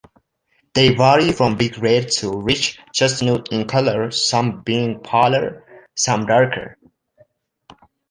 They vary from brick-red to rich chestnut in colour, some being paler, some darker.